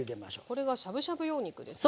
これはしゃぶしゃぶ用肉ですね。